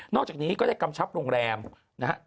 อกจากนี้ก็ได้กำชับโรงแรมนะฮะ